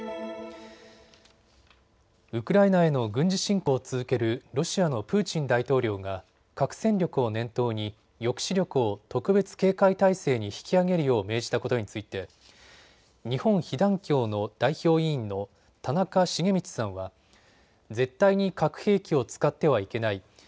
ウクライナへの軍事侵攻を続けるロシアのプーチン大統領が核戦力を念頭に抑止力を特別警戒態勢に引き上げるよう命じたことについて日本被団協の代表委員の田中重光さんは絶対に核兵器を使ってはいけない。